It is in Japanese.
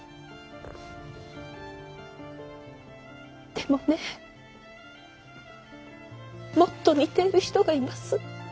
でもねもっと似ている人がいます。